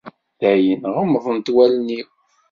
Dayen, ɣemḍent wallalen-iw.